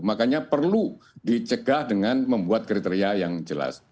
makanya perlu dicegah dengan membuat kriteria yang jelas